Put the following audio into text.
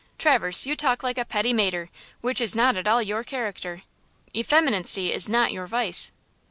"Traverse, you talk like a petit maître, which is not at all your character. Effeminacy is not your vice."